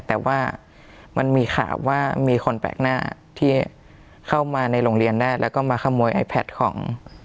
แต่ว่ามันมีข่าวว่ามีคนแปลกหน้าที่เข้ามาในโรงเรียนได้แล้วก็มาขโมยไอแพทของ